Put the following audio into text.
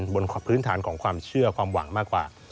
บนพื้นฐานของความเชื่อความหวังมากกว่า